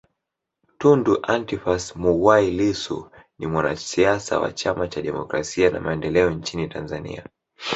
Tundu Antiphas Mughwai Lissu ni mwanasiasa wa Chama cha Demokrasia na Maendeleo nchini Tanzania